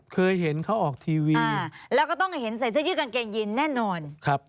เคยเห็นเขาออกทีวีแล้วก็ต้องเห็นใส่เสื้อยืดกางเกงยินแน่นอนครับ